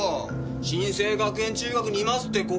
真清学園中学にいますってここに！